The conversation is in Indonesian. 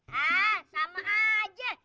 hah sama aja